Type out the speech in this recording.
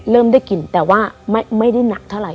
เริ่มได้กินแต่ว่าไม่ได้หนักเท่าไห